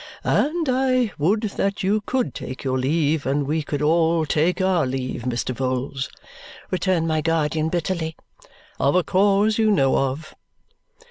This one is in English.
"And I would that you could take your leave, and we could all take our leave, Mr. Vholes," returned my guardian bitterly, "of a cause you know of."